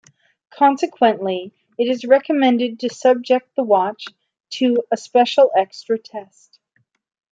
Consequently, it is recommended to subject the watch to a special extra test.